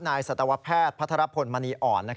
สัตวแพทย์พัทรพลมณีอ่อน